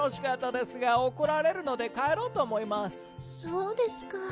そうですか。